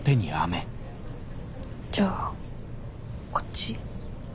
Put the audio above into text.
じゃあこっち。